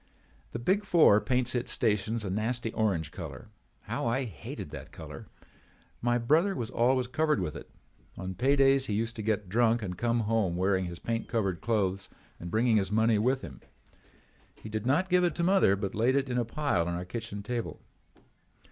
"The Big Four paints its stations a nasty orange color. How I hated that color! My brother was always covered with it. On pay days he used to get drunk and come home wearing his paint covered clothes and bringing his money with him. He did not give it to mother but laid it in a pile on our kitchen table.